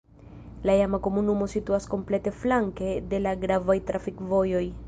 La iama komunumo situas komplete flanke de la gravaj trafikvojoj.